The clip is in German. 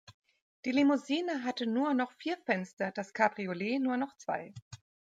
Die Limousine hatte nur noch vier Fenster, das Cabriolet nur noch zwei.